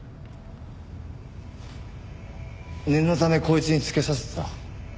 念のためこいつにつけさせてた。